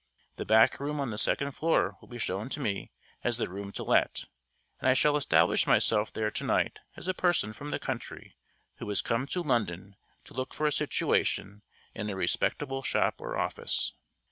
The back room on the second floor will be shown to me as the room to let, and I shall establish myself there to night as a person from the country who has come to London to look for a situation in a respectable shop or office.